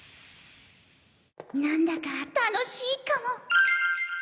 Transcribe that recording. なんだか楽しいかも。